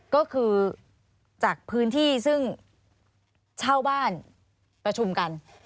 ก็คือจากพื้นที่ซึ่งเช่าบ้านประชุมกัน